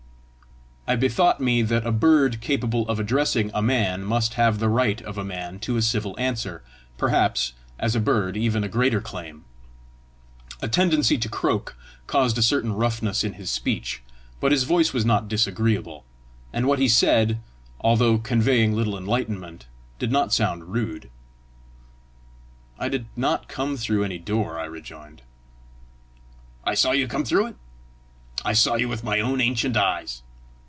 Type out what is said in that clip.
I bethought me that a bird capable of addressing a man must have the right of a man to a civil answer; perhaps, as a bird, even a greater claim. A tendency to croak caused a certain roughness in his speech, but his voice was not disagreeable, and what he said, although conveying little enlightenment, did not sound rude. "I did not come through any door," I rejoined. "I saw you come through it! saw you with my own ancient eyes!"